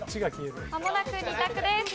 まもなく２択です。